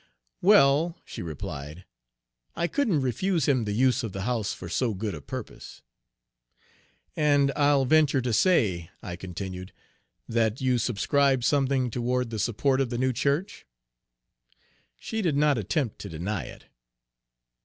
"Well," she replied, "I couldn't refuse him the use of the house for so good a purpose." Page 63 "And I'll venture to say," I continued, "that you subscribed something toward the support of the new church?" She did not attempt to deny it.